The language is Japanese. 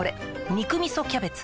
「肉みそキャベツ」